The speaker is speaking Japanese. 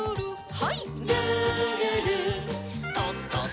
はい。